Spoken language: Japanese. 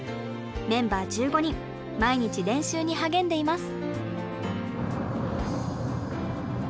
メンバー１５人毎日練習に励んでいます。